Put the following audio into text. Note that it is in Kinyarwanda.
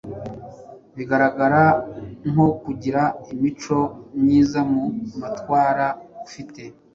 bigaragara nko kugira imico myiza mu matwara ufite,